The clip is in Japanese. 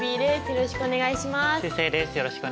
よろしくお願いします。